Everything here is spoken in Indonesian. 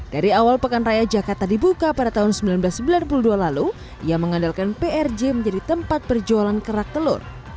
dari awal pekan raya jakarta dibuka pada tahun seribu sembilan ratus sembilan puluh dua lalu ia mengandalkan prj menjadi tempat perjualan kerak telur